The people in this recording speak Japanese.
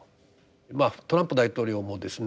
まあトランプ大統領もですね